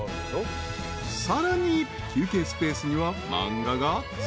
［さらに休憩スペースには漫画がずらり］